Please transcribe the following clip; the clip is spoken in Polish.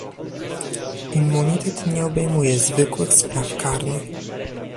Immunitet nie obejmuje zwykłych spraw karnych